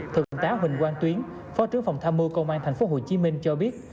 thượng táo huỳnh quang tuyến phó trưởng phòng thăm mưu công an tp hcm cho biết